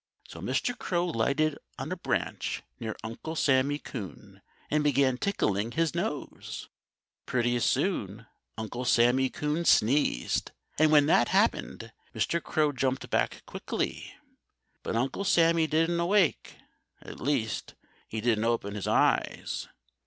So Mr. Crow lighted on a branch near Uncle Sammy Coon and began tickling his nose. Pretty soon Uncle Sammy Coon sneezed. And when that happened, Mr. Crow jumped back quickly. But Uncle Sammy didn't awake at least, he didn't open his eyes.